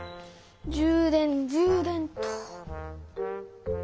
充電充電っと。